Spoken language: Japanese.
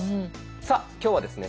さあ今日はですね